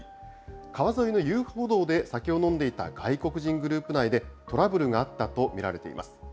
川沿いの遊歩道で酒を飲んでいた外国人グループ内でトラブルがあったと見られています。